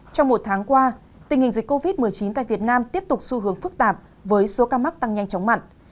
trong một tháng qua tình hình dịch covid một mươi chín tại việt nam tiếp tục xu hướng phức tạp với số ca mắc tăng nhanh chóng mạnh